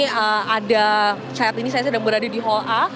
saya saat ini sedang berada di hall a